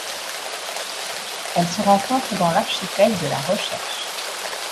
Elle se rencontre dans l'archipel de la Recherche.